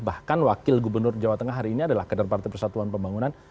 bahkan wakil gubernur jawa tengah hari ini adalah kader partai persatuan pembangunan